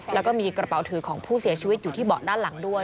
แล้วก็มีกระเป๋าถือของผู้เสียชีวิตอยู่ที่เบาะด้านหลังด้วย